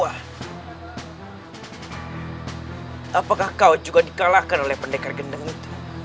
apakah kau juga dikalahkan oleh pendekar gendeng itu